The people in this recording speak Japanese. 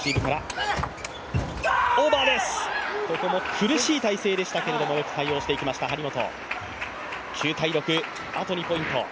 苦しい体勢でしたがよく対応していきました、張本。